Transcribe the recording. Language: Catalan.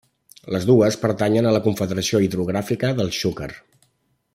Les dues pertanyen a la Confederació Hidrogràfica del Xúquer.